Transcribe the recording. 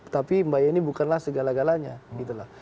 tapi mbak yeni bukanlah segala galanya